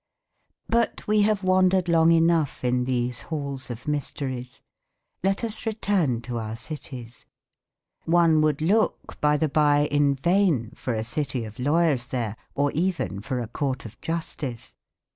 But we have wandered long enough in these halls of mysteries. Let us return to our cities. One would look, by the bye, in vain for a city of lawyers there, or even, for a court of justice.